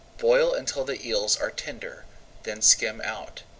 [Page 120] Boil until the eels are tender, then skim out.